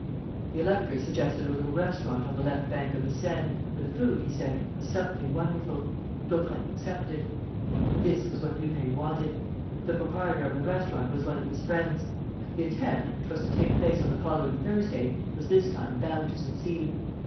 The elector suggested a little restaurant on the left bank of the Seine, where the food, he said, was something wonderful. Daubrecq accepted. This was what Lupin wanted. The proprietor of the restaurant was one of his friends. The attempt, which was to take place on the following Thursday, was this time bound to succeed.